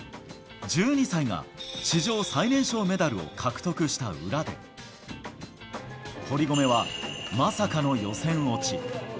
１２歳が史上最年少メダルを獲得した裏で、堀米は、まさかの予選落ち。